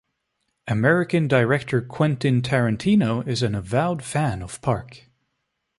American director Quentin Tarantino is an avowed fan of Park.